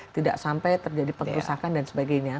tidak sampai terjadi pengrusakan dan sebagainya